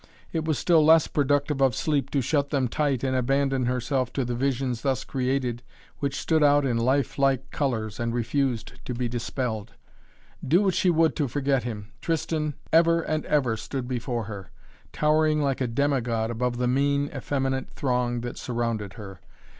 It was still less productive of sleep to shut them tight and abandon herself to the visions thus created which stood out in life like colors and refused to be dispelled. Do what she would to forget him, Tristan ever and ever stood before her, towering like a demigod above the mean, effeminate throng that surrounded her.